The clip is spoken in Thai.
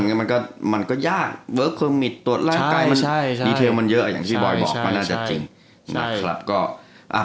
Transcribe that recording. อันนี้มันก็มันก็ยากตัวด้านใกล้มันมีพื้นอย่างที่บอยบอกมันน่าจะจริงใช่